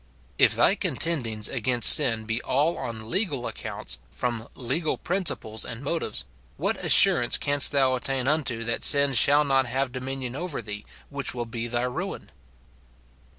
If thy con tendings against sin be all on legal accounts, from legal principles and motives, what assurance canst thou attain unto that sin shall not have dominion over thee, which will be thy ruin